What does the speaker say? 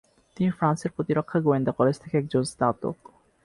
তিনি ফ্রান্সের প্রতিরক্ষা গোয়েন্দা কলেজ থেকে একজন স্নাতক।